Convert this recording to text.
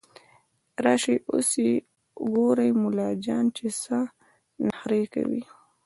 راشئ اوس يې ګورئ ملا جان چې څه نخروې کوي